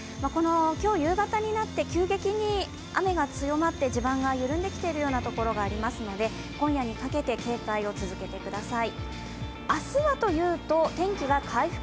今日夕方になって急激に雨が強まって地盤が緩んできているような所がありますので今夜にかけて警戒を続けてください。